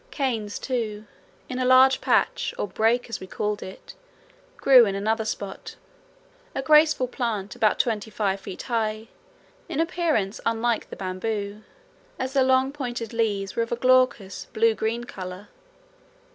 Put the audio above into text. Canes, too, in a large patch or "brake" as we called it, grew at another spot; a graceful plant about twenty five feet high, in appearance unlike the bamboo, as the long pointed leaves were of a glaucous blue green colour.